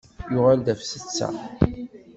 Yuɣal-d ɣef setta.